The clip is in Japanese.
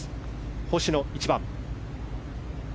星野、１番。